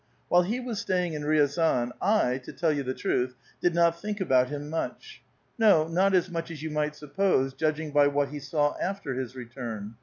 While he was sta3nng in Kiazan, 1, to tell you the truth, did not think about him much ; no, not as much as you might suppose, judging by whfit he saw after his return.